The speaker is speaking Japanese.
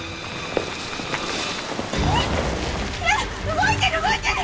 動いてる動いてる！